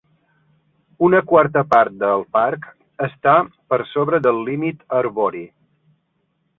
Una quarta part del parc està per sobre del límit arbori.